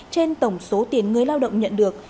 trên tổng số tiền người lao động nhận được